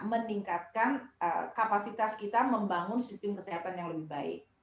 meningkatkan kapasitas kita membangun sistem kesehatan yang lebih baik